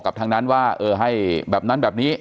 ทั้งนั้นว่าเออให้แบบนั้นแบบนี้